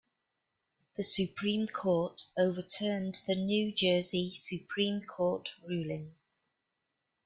The Supreme Court overturned the New Jersey Supreme Court ruling.